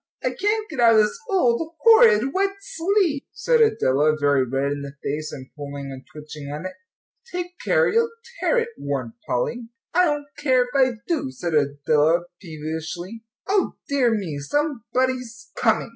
"I can't get out of this old, horrid, wet sleeve," said Adela, very red in the face, and pulling and twitching at it. "Take care, you'll tear it," warned Polly. "I don't care if I do," said Adela, peevishly. "O dear me, somebody's coming!"